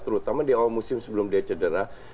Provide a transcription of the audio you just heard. terutama di awal musim sebelum dia cedera